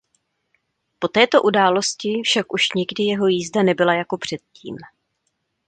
Po této události však už nikdy jeho jízda nebyla jako předtím.